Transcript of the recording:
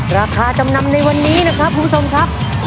ราคาจำนำในวันนี้นะครับคุณผู้ชมครับ